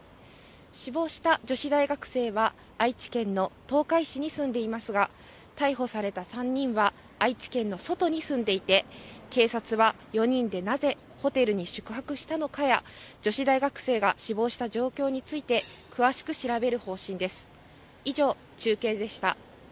死亡した女子大学生は愛知県の東海市に住んでいますが逮捕された３人は愛知県の外に住んでいて警察は４人でなぜホテルに宿泊したのかや女子大学生が死亡した状況について詳しく調べる方針です。